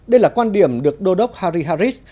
đây là quan điểm được đô đốc harry harris